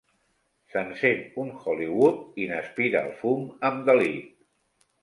S'encén un Hollywood i n'aspirà el fum amb delit.